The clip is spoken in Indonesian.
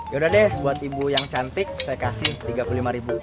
yaudah deh buat ibu yang cantik saya kasih rp tiga puluh lima ribu